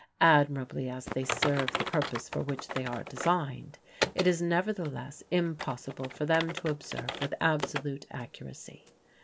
Admirably as they serve the purpose for which they are designed, it is nevertheless impossible for them to observe with absolute accuracy.